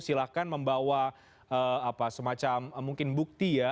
silahkan membawa semacam mungkin bukti ya